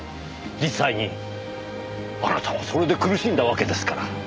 実際にあなたはそれで苦しんだわけですから。